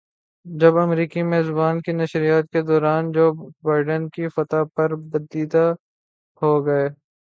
جب امریکی میزبان نشریات کے دوران جو بائیڈن کی فتح پر بدیدہ ہوگئے